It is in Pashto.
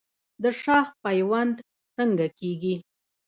د شاخ پیوند څنګه کیږي؟